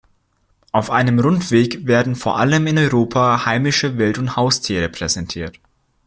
Auf einem Rundweg werden vor allem in Europa heimische Wild- und Haustiere präsentiert.